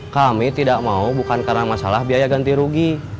kami tidak mau bukan karena masalah biaya ganti rugi